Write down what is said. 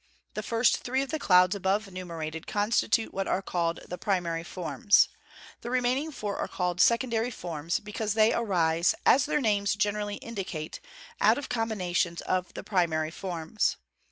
The first three of the clouds above enumerated constitute what are called the primary forms. The remaining four are called secondary forms, because they arise, as their names generally indicate, out of combinations of the primary forms.